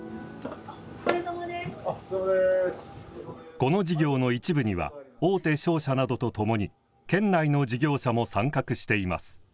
この事業の一部には大手商社などと共に県内の事業者も参画しています。